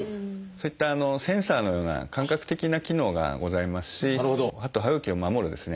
そういったセンサーのような感覚的な機能がございますし歯と歯ぐきを守るですね